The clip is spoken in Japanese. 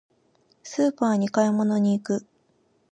スーパーに買い物に行く。